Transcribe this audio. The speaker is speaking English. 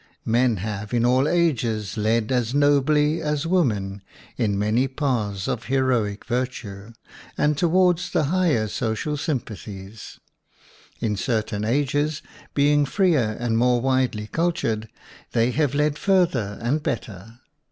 Men have in all ages led as nobly as women in many paths of heroic virtue, and toward the higher social sympa thies; in certain ages, being freer and more widely cultured, they have led further and better.